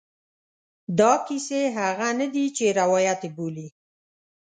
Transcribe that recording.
دا کیسې هغه نه دي چې روایت یې بولي.